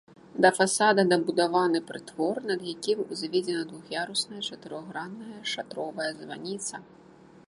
Да фасада дабудаваны прытвор, над якім узведзена двух'ярусная чатырохгранная шатровая званіца.